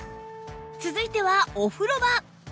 続いてはお風呂場